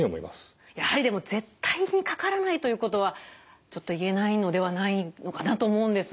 やはりでも絶対にかからないということはちょっと言えないのではないのかなと思うんですが。